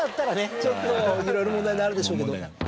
ちょっといろいろ問題になるでしょうけど。